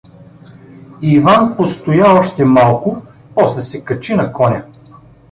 Иван постоя още малко, после се качи на коня.